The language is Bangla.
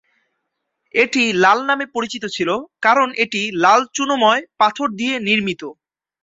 এটি 'লাল' নামে পরিচিত ছিল কারণ এটি লাল চুনময় পাথর দিয়ে নির্মিত।